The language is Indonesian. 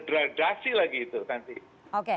gradasi lagi itu nanti